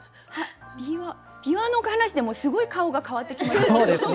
びわの話ですごい顔が変わってきましたね。